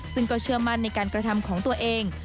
ซึ่งก็เชื่อมั่นในการกระทำของตัวเอง